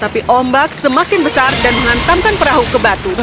tapi ombak semakin besar dan menghantamkan perahu ke batu